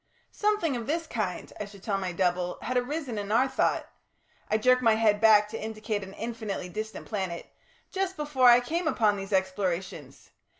"Something of this kind," I should tell my double, "had arisen in our thought" I jerk my head back to indicate an infinitely distant planet "just before I came upon these explorations.